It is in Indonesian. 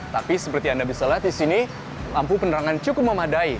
tapi seperti anda bisa lihat di sini lampu penerangan cukup memadai